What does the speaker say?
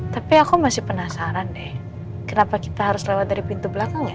tapi aku masih penasaran deh kenapa kita harus lewat dari pintu belakang ya